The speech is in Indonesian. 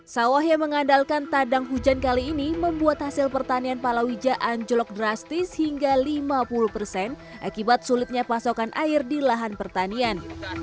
sawah yang mengandalkan tadang hujan kali ini membuat hasil pertanian palawija anjlok drastis hingga lima puluh persen akibat sulitnya pasokan air di lahan pertanian